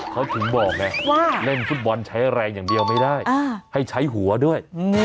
เขาถึงบอกไงว่าเล่นฟุตบอลใช้แรงอย่างเดียวไม่ได้ให้ใช้หัวด้วย